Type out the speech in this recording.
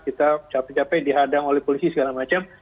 kita capek capek dihadang oleh polisi segala macam